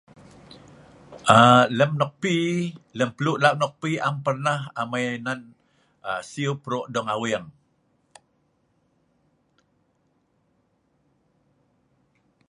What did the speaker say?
um lem nok pi lem pelu' lak nok pi am pernah amai nan siu pro' dong aweng